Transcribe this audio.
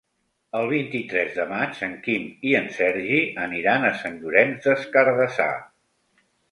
El vint-i-tres de maig en Quim i en Sergi aniran a Sant Llorenç des Cardassar.